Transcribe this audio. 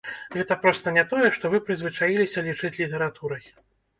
Гэта проста не тое, што вы прызвычаіліся лічыць літаратурай.